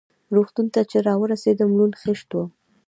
روغتون ته چې را ورسېدم لوند خېشت وم.